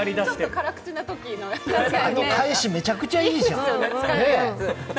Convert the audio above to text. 返し、めちゃくちゃいいじゃん。